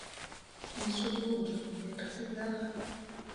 Wǝ suɓu joŋ beere te zarah.